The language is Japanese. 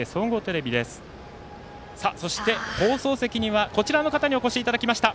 そして、放送席にはこちらの方にお越しいただきました。